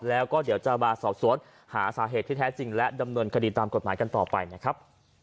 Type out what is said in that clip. แล้วก็เดี๋ยวจะมาสอบสวนหาสาเหตุที่แท้จริงและดำเนินคดีตามกฎหมายกันต่อไปนะครับ